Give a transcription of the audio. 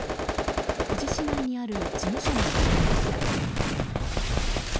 富士市内にある事務所に行ってみました。